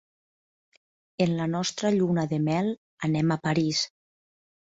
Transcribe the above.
En la nostra lluna de mel, anem a París.